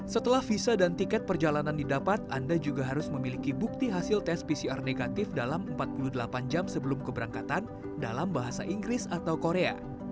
setelah visa dan tiket perjalanan didapat anda juga harus memiliki bukti hasil tes pcr negatif dalam empat puluh delapan jam sebelum keberangkatan dalam bahasa inggris atau korea